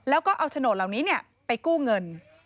แล้วก็เอาโฉนดเหล่านี้ไปกู้เงิน